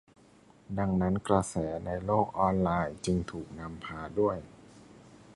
ดังนั้นกระแสในโลกออนไลน์จึงถูกนำพาด้วย